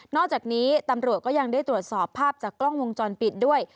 อกจากนี้ตำรวจก็ยังได้ตรวจสอบภาพจากกล้องวงจรปิดด้วย